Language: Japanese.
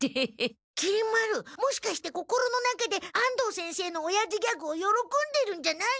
きり丸もしかして心の中で安藤先生のおやじギャグをよろこんでるんじゃない？